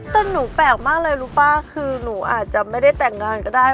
แต่หนูแปลกมากเลยรู้ป่ะคือหนูอาจจะไม่ได้แต่งงานก็ได้